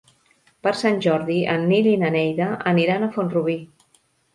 Per Sant Jordi en Nil i na Neida aniran a Font-rubí.